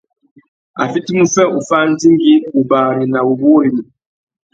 A fitimú fê uffá andingui, wubari nà wuwúrrini.